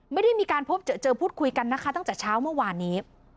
ไม่ได้มีการพบเจอพูดคุยกันนะคะตั้งแต่เช้าเมื่อวานนี้